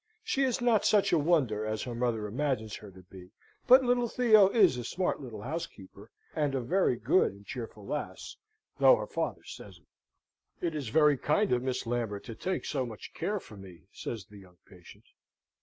She is not such a wonder as her mother imagines her to be: but little Theo is a smart little housekeeper, and a very good and cheerful lass, though her father says it." "It is very kind of Miss Lambert to take so much care for me," says the young patient.